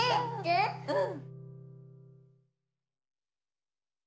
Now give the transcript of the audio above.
うん。